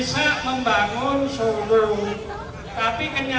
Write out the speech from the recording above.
saya ini bukan ini